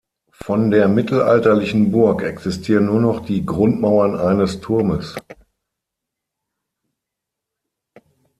Von der mittelalterlichen Burg existieren nur noch die Grundmauern eines Turmes.